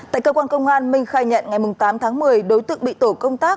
tại cơ quan công an minh khai nhận ngày tám tháng một mươi đối tượng bị tổ công tác